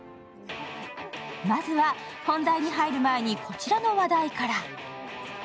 まずは、本題に入る前にこちらの話題から。